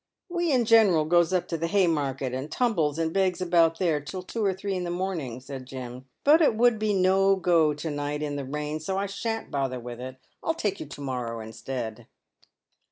" "We in general goes up to the Haymarket, and tumbles and begs about there until two or three in the morning," said Jim, "but it would be no go to night in the rain, so I shan't bother with it. I'll take you to morrow instead."